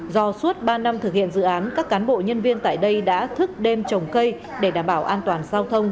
do suốt ba năm thực hiện dự án các cán bộ nhân viên tại đây đã thức đêm trồng cây để đảm bảo an toàn giao thông